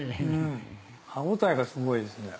歯応えがすごいですね。